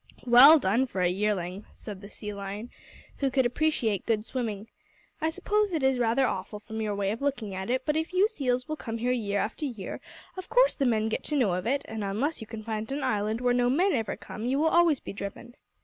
"Well done for a yearling!" said the Sea Lion, who could appreciate good swimming. "I suppose it is rather awful from your way of looking at it, but if you seals will come here year after year, of course the men get to know of it, and unless you can find an island where no men ever come you will always be driven."